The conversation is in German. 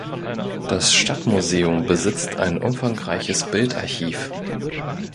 Das Stadtmuseum besitzt ein umfangreiches Bildarchiv.